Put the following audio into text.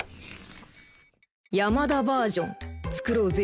山田バージョン作ろうぜ。